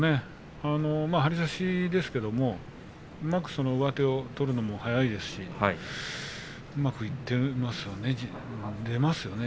張り差しですけれど、うまく上手を取るのも速いですしうまくいっていますよね。